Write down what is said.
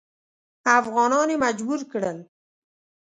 افغانان یې مجبور کړل.